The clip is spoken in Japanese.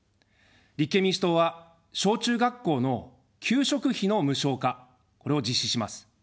立憲民主党は、小・中学校の給食費の無償化、これを実施します。